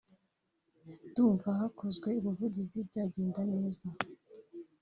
ndumva hakozwe ubuvugizi byagenda neza